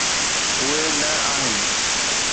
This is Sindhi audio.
اهي نه آهن.